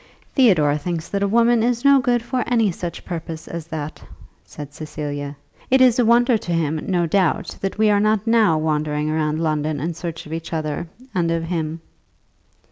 "Theodore thinks that a woman is no good for any such purpose as that," said Cecilia. "It is a wonder to him, no doubt, that we are not now wandering about London in search of each other, and of him."